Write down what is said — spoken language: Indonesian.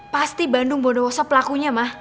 pasti bandung bondowoso pelakunya mah